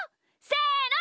せの！